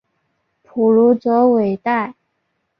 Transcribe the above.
普卢泽韦代。